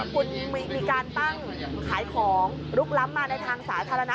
คุณมีการตั้งขายของลุกล้ำมาในทางสาธารณะ